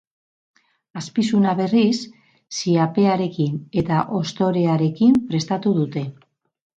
Azpizuna, berriz, ziapearekin eta hostorearekin prestatu dute.